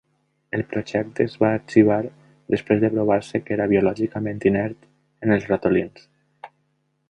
El projecte es va arxivar després de provar-se que era biològicament inert en els ratolins.